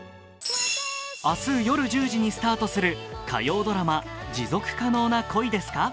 明日夜１０時にスタートする火曜ドラマ、「持続可能な恋ですか？